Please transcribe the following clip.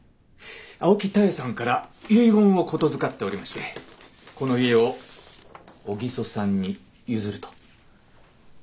青木たえさんから遺言を言づかっておりましてこの家を小木曽さんに譲ると。